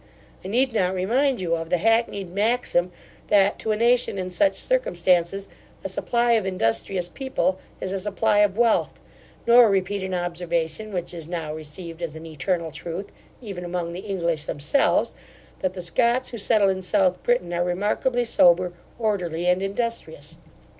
I need not remind you of the hackneyed maxim, that, to a nation in such circumstances, a supply of industrious people is a supply of wealth; nor repeat an observation, which is now received as an eternal truth, even among the English themselves, that the Scots who settle in South Britain are remarkably sober, orderly, and industrious.